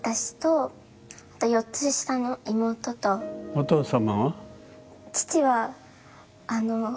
お父様は？